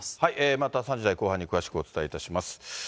また３時台後半に詳しくお伝えいたします。